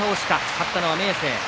勝ったのは明生。